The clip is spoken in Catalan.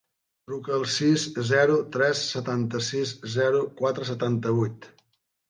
Truca al sis, zero, tres, setanta-sis, zero, quatre, setanta-vuit.